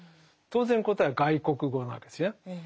当然答えは「外国語」なわけですよね。